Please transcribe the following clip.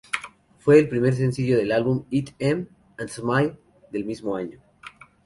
Fue el primer sencillo del álbum "Eat 'Em and Smile" del mismo año.